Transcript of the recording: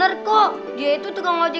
untuk atas teeore